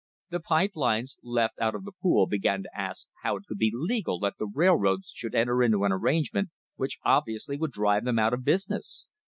The pipe lines left out of the pool began to ask how it could be legal that the railroads should enter into an arrangement which obviously would drive them out of business.